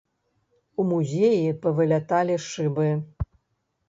У музеі павыляталі шыбы.